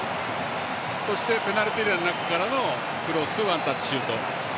そしてペナルティーエリアの中からのクロス、ワンタッチシュート。